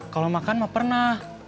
kalau makan mah pernah